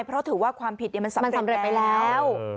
เพราะถือว่าความผิดมันสำเร็จไปแล้ว